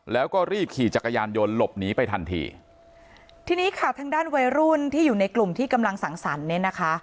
แล้วก็รีบขี่จักรยานยนต์หลบหนีไปทันทีทีนี้ค่ะทางด้านวัยรุ่นที่อยู่ในกลุ่มที่กำลังสังสรรค์เนี่ยนะคะ